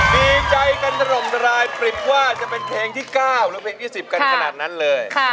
ดีใจกันถล่มรายปริบว่าจะเป็นเพลงที่๙หรือเพลงที่๑๐กันขนาดนั้นเลย